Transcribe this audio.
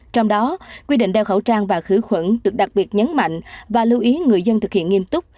trong đó quy định đeo khẩu trang và khử khuẩn được đặc biệt nhấn mạnh và lưu ý người dân thực hiện nghiêm túc